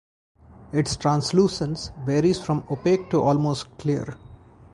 Its translucence varies from opaque to almost clear.